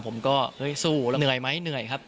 ผมก็เฮ้ยสู้แล้วเหนื่อยไหมเหนื่อยครับ